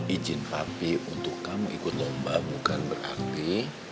ijin papi untuk kamu ikut lomba bukan berarti